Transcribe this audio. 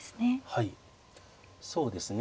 はいそうですね